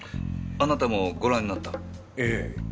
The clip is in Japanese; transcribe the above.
あなたもご覧になった？ええ。